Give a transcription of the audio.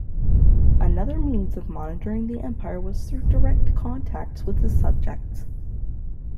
Another means of monitoring the Empire was through direct contacts with his subjects.